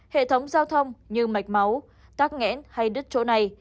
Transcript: hệ thống giao thông như mạch máu tác ngẽn hay đứt chỗ này